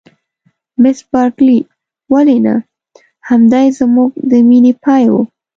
مس بارکلي: ولې نه؟ همدای زموږ د مینې پای و.